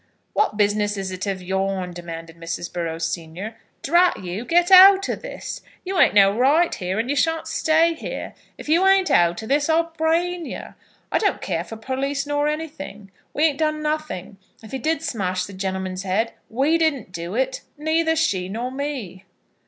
"What business is it of yourn?" demanded Mrs. Burrows, senior. "Drat you; get out of this. You ain't no right here, and you shan't stay here. If you ain't out of this, I'll brain yer. I don't care for perlice nor anything. We ain't done nothing. If he did smash the gen'leman's head, we didn't do it; neither she nor me."